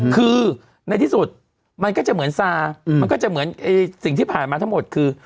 คือในที่สุดมันก็จะเหมือนซามันก็จะเหมือนสิ่งที่ผ่านมาทั้งหมดคือ